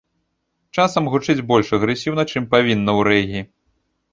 Часам гучыць больш агрэсіўна, чым павінна ў рэгі.